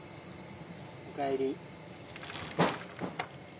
おかえり。